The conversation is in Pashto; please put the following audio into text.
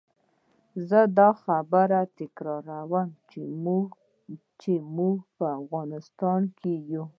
زه دا خبره تکراروم چې موږ په افغانستان کې.